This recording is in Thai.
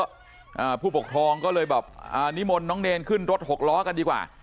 อ่าผู้ปกครองก็เลยแบบอ่านิมนต์น้องเนรขึ้นรถหกล้อกันดีกว่า